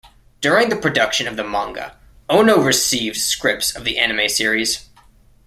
During the production of the manga, Ono received scripts of the anime series.